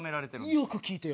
よく聞いてよ。